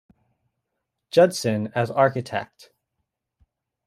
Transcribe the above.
Judson as architect.